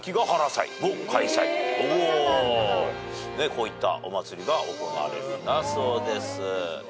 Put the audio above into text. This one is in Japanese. こういったお祭りが行われるんだそうです。